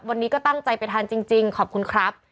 วันนี้ก็ตั้งใจไปทานจริงขอบคุณครับ